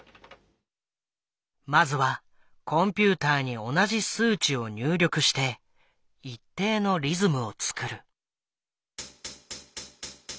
まずはコンピューターに同じ数値を入力して一定のリズムを作る。